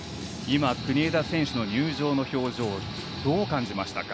国枝選手の入場の表情をどう感じましたか？